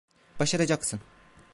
Başaracaksın.